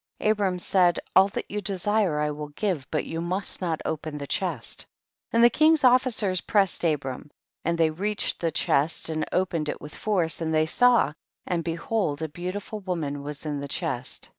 1 2. Abram said, all that you desire I will give, but you must not open the chest. 13. And the king's officers pressed Abram, and they reached the chest and opened it with force, and they saw, and behold a beautiful woman was in the chest.